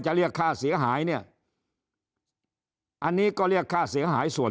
เรียกค่าเสียหายเนี่ยอันนี้ก็เรียกค่าเสียหายส่วน